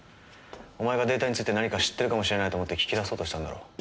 お前がデータについて何か知ってるかもしれないと思って聞き出そうとしたんだろう。